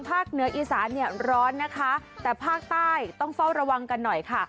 เหนืออีสานเนี่ยร้อนนะคะแต่ภาคใต้ต้องเฝ้าระวังกันหน่อยค่ะ